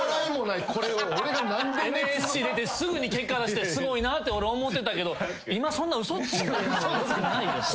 ＮＳＣ出てすぐに結果出してすごいなって俺思ってたけど今そんな嘘ついてんのよくないです。